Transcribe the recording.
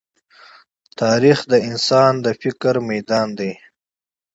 تاریخ د انسان د فکر ميدان دی.